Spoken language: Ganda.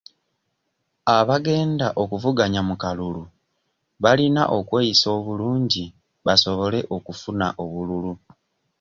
Abagenda okuvuganya mu kalulu balina okweyisa obulungi basobole okufuna obululu.